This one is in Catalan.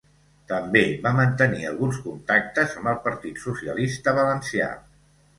També va mantenir alguns contactes amb el Partit Socialista Valencià.